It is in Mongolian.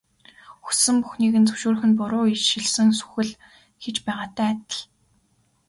Хүссэн бүхнийг нь зөвшөөрөх нь буруу ишилсэн сүх л хийж байгаатай адил.